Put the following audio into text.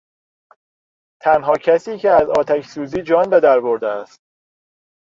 تنها کسی که از آتش سوزی جان بهدر برده است